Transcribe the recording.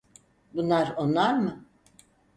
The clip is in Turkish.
Bunlar onlar mı?